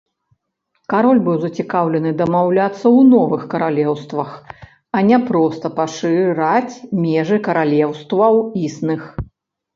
Кароль быў зацікаўлены дамаўляцца ў новых каралеўствах, а не проста пашыраць межы каралеўстваў існых.